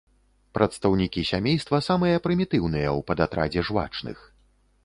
Прадстаўнікі сямейства самыя прымітыўныя ў падатрадзе жвачных.